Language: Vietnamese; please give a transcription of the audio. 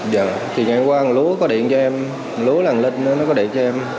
dạ thì ngày qua lúa có điện cho em lúa là anh linh nó có điện cho em